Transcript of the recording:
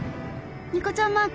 ニコちゃんマーク！